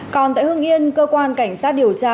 còn tại hưng yên cơ quan cảnh sát điều tra